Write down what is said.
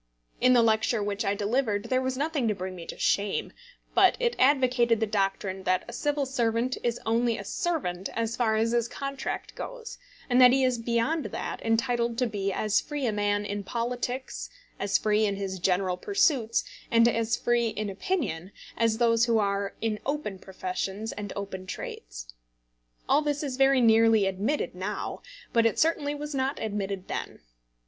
In the lecture which I delivered, there was nothing to bring me to shame, but it advocated the doctrine that a civil servant is only a servant as far as his contract goes, and that he is beyond that entitled to be as free a man in politics, as free in his general pursuits, and as free in opinion, as those who are in open professions and open trades. All this is very nearly admitted now, but it certainly was not admitted then.